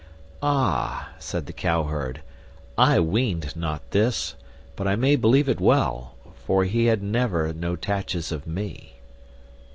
Ah, said the cowherd, I weened not this, but I may believe it well, for he had never no tatches of me.